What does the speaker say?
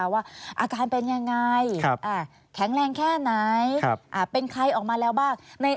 ว่าอาการเป็นยังไงแข็งแรงแค่ไหนเป็นใครออกมาแล้วบ้าง